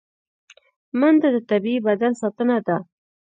منډه د طبیعي بدن ساتنه ده